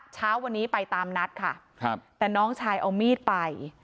เช้าวันนี้ไปตามนัดค่ะครับแต่น้องชายเอามีดไป